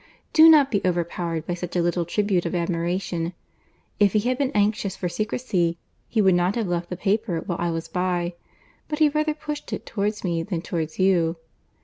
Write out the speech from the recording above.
Do not be overpowered by such a little tribute of admiration. If he had been anxious for secrecy, he would not have left the paper while I was by; but he rather pushed it towards me than towards you.